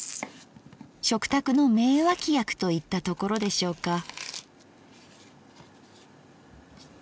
食卓の名脇役といったところでしょうか。